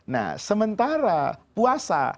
nah sementara puasa